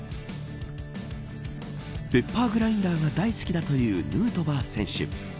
ペッパーグラインダーが大好きだというヌートバー選手。